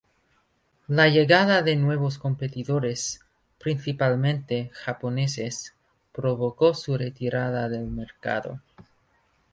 La llegada de nuevos competidores, principalmente japoneses, provocó su retirada del mercado.